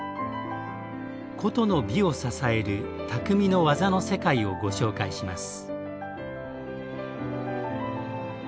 古都の美を支える「匠の技の世界」をご紹介します。